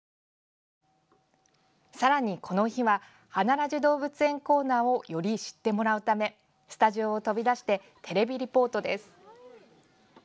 さらに、この日は「花ラジ動物園」コーナーをより知ってもらうためスタジオを飛び出してテレビリポートです。